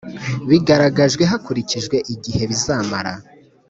bigaragajwe hakurikijwe igihe bizamara